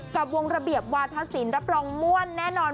กับวงระเบียบวาธศิลป์รับรองม่วนแน่นอน